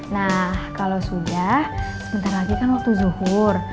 nah kalau sudah sebentar lagi kan waktu zuhur